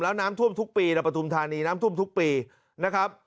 แล้วน้ำท่วมทุกปีและปฐุมธานีน้ำท่วมทุกปีนะครับ